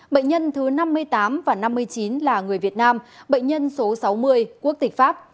bệnh nhân thứ năm mươi tám và năm mươi chín là người việt nam bệnh nhân số sáu mươi quốc tịch pháp